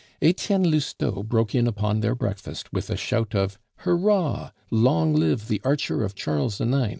Etienne Lousteau broke in upon their breakfast with a shout of "Hurrah! Long live _The Archer of Charles IX.